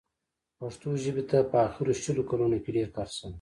پښتو ژبې ته په اخرو شلو کالونو کې ډېر کار شوی.